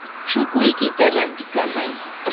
chukuykita rantikamay.